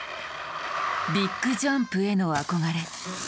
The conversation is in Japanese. ビッグジャンプへの憧れ。